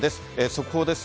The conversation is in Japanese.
速報です。